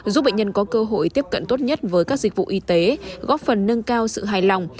giúp bệnh nhân có cơ hội tiếp cận tốt nhất với các dịch vụ y tế góp phần nâng cao sự hài lòng